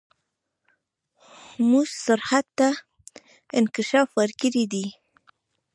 موږ سرعت ته انکشاف ورکړی دی.